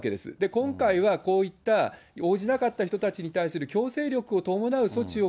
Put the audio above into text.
今回はこういった応じなかった人たちに対する強制力を伴う措置を